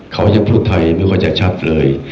เขาจะพูดไทยไม่พูดชัดเลย